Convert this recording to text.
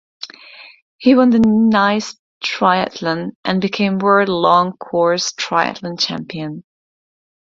He won the Nice Triathlon and became World Long Course Triathlon Champion.